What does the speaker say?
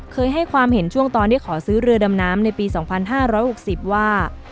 เคยให้ความเห็นช่วงตอนที่ขอซื้อเรือดำน้ำในปี๒๕๖๐ว่า